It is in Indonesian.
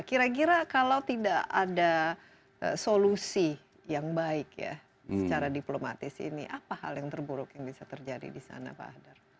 kira kira kalau tidak ada solusi yang baik ya secara diplomatis ini apa hal yang terburuk yang bisa terjadi di sana pak hadar